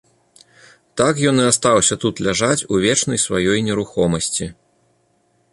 Так ён і астаўся тут ляжаць у вечнай сваёй нерухомасці.